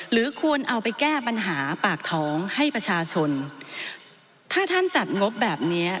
หรือควรเอาไปแก้ปัญหาปากท้องให้ประชาชนถ้าท่านจัดงบแบบเนี้ย